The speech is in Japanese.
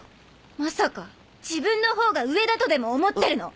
まさか自分のほうが上だとでも思ってるの？